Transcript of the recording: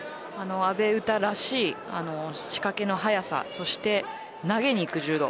阿部詩らしい仕掛けの早さそして投げにいく柔道